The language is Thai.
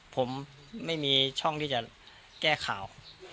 ผมไม่มีช่องที่จะแก้ข่าว